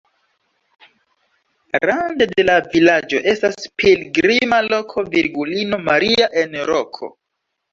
Rande de la vilaĝo estas pilgrima loko virgulino Maria en roko.